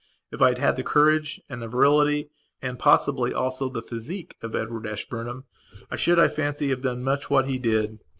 If I had had the courage and virility and possibly also the physique of Edward Ashburnham I should, I fancy, have done much what he did.